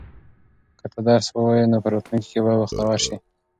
که ته درس ووایې نو په راتلونکي کې به بختور شې.